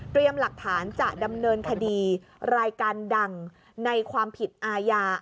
หลักฐานจะดำเนินคดีรายการดังในความผิดอาญา